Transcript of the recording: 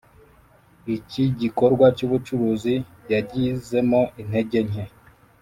Iki gikorwa cy’ubucuruzi yagizemo intege nke